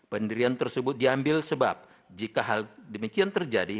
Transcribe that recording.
pendirian tersebut diambil sebab jika hal demikian terjadi